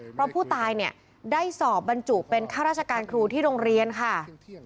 เพราะผู้ตายเนี่ยได้สอบบรรจุเป็นข้าราชการครูที่โรงเรียนค่ะ